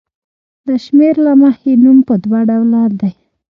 د شمېر له مخې نوم په دوه ډوله دی.